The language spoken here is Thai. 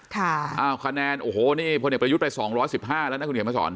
ค่ะขนแนนโอ้โหนี่คนเดี๋ยวประยุ่นไปสองร้อยสิบห้าแล้วนะคุณเห็น